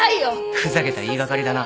ふざけた言い掛かりだな。